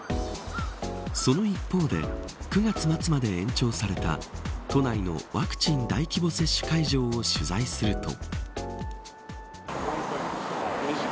その一方で９月末まで延長された都内のワクチン大規模接種会場を取材すると。